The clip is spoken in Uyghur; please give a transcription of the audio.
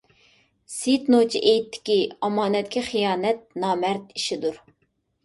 سېيىت نوچى ئېيتتىكى ئامانەتكە خىيانەت، نامەرد ئىشىدۇر.